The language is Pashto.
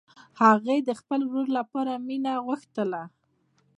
هغې د خپل ورور لپاره مینه غوښتله